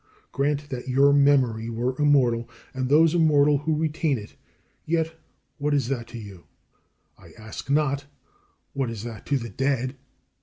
Grant that your memory were immortal, and those immortal who retain it; yet what is that to you? I ask not, what is that to the dead?